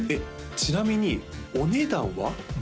ちなみにお値段は？